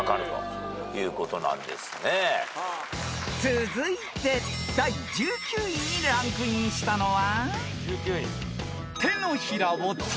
［続いて第１９位にランクインしたのは］